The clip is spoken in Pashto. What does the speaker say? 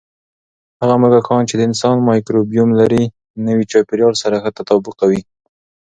هغه موږکان چې د انسان مایکروبیوم لري، نوي چاپېریال سره ښه تطابق کوي.